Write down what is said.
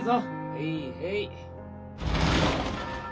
へいへい。